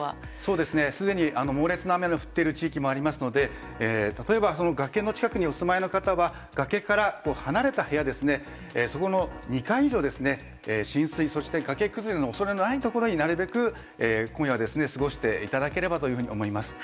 猛烈な雨が降っている地域もありますので崖の近くにお住まいの方は崖から離れたところそこの２階以上、浸水崖崩れの恐れのないところになるべく今夜は過ごしていただければと思います。